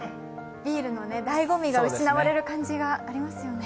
ビールのだいご味が失われる感じがありますよね。